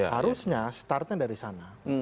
harusnya startnya dari sana